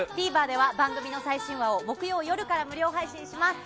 ＴＶｅｒでは番組の最新話を木曜夜から無料配信します！